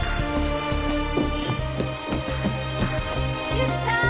由紀さん！